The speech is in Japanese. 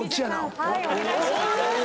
お願いします。